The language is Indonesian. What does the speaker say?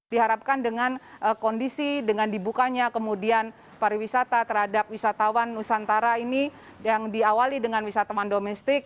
diharapkan dengan kondisi dengan dibukanya kemudian pariwisata terhadap wisatawan nusantara ini yang diawali dengan wisatawan domestik